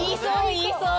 言いそう。